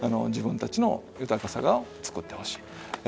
自分たちの豊かさを作ってほしい。